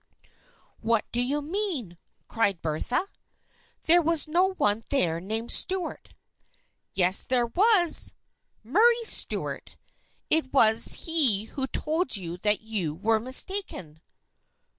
"What do you mean ?" cried Bertha. "There was no one there named Stuart." " Yes, there was ! Murray Stuart. It was he who told you that you were mistaken."